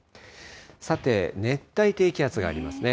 さて、熱帯低気圧がありますね。